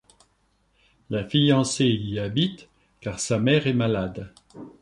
La fiancée y habite, car sa mère est malade.